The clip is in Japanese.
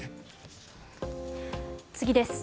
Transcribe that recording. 次です。